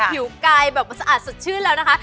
ผิวกายแบบว่าสะอาดสดชื่นแล้วนะคะ